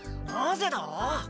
なぜだ？